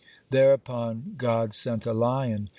Thereupon God sent a lion.